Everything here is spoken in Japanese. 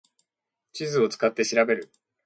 地図を使って調べる